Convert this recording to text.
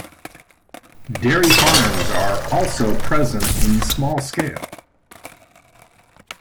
Dairy farms are also present in small scale.